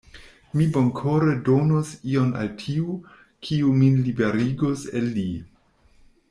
Mi bonkore donus ion al tiu, kiu min liberigus el li.